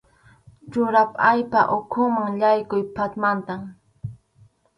Yurap allpa ukhuman yaykuq phatmantam.